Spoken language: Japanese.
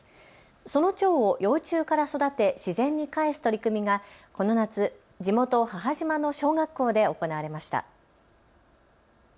そのチョウを幼虫から育て自然に返す取り組みがこの夏、地元母島の小学校で行われました。